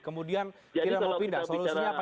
kemudian kita mau pindah solusinya apa